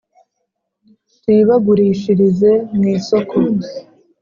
tuyibagurishirize mu isoko